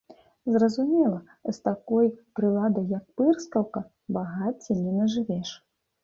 Зразумела, з такой прыладай, як пырскаўка, багацця не нажывеш!